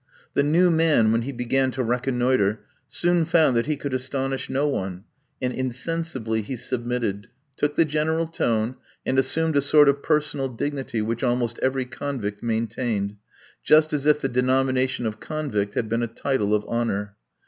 The "new man," when he began to reconnoitre, soon found that he could astonish no one, and insensibly he submitted, took the general tone, and assumed a sort of personal dignity which almost every convict maintained, just as if the denomination of convict had been a title of honour.